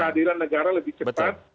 kehadiran negara lebih cepat